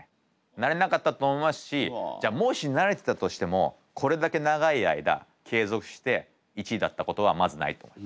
なれなかったと思いますしじゃあもしなれてたとしてもこれだけ長い間継続して１位だったことはまずないと思います。